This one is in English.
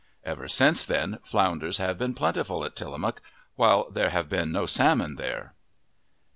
Ever since then flounders have been plentiful at Tillamook while there have been no salmon there.